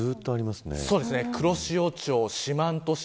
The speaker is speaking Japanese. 黒潮町、四万十市。